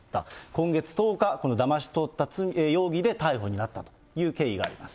今月１０日、このだまし取った容疑で逮捕になったという経緯があります。